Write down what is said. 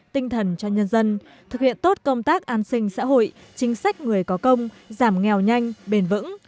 tinh thần cho nhân dân thực hiện tốt công tác an sinh xã hội chính sách người có công giảm nghèo nhanh bền vững